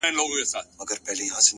• خر هغه ګړی روان سو په ځنګله کي,